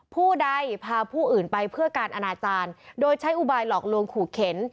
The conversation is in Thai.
ผู้ใดพาผู้อื่นไปเพื่อการอนาจารย์โดยใช้อุบายหลอกลวงขู่เข็น